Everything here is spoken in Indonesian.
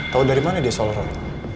tahu dari mana dia soal roy